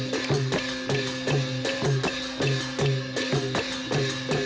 ไปกับตรอนข่าวนะครับ